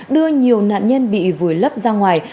đưa nhiều nạn nhân bị vùi lấp ra ngoài